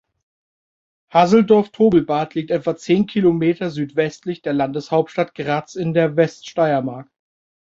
Haselsdorf-Tobelbad liegt etwa zehn Kilometer südwestlich der Landeshauptstadt Graz in der Weststeiermark.